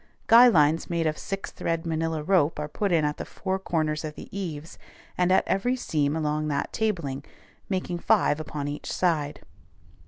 Guy lines made of six thread manilla rope are put in at the four corners of the eaves, and at every seam along that tabling, making five upon each side.